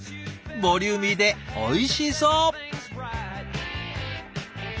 ボリューミーでおいしそう。